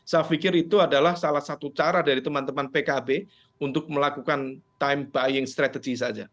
saya pikir itu adalah salah satu cara dari teman teman pkb untuk melakukan time buying strategy saja